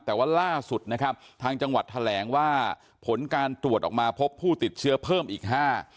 แต่ว่าล่าสุดนะครับทางจังหวัดแถลงว่าผลการตรวจออกมาพบผู้ติดเชื้อเพิ่มอีกห้า